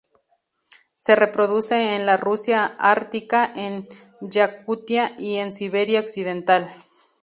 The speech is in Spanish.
Se reproduce en la Rusia ártica en Yakutia y en Siberia occidental.